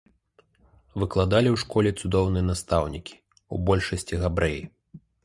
Выкладалі ў школе цудоўныя настаўнікі, у большасці габрэі.